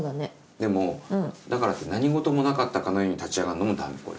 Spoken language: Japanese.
でもだからって何事もなかったかのように立ち上がるのもダメこれ。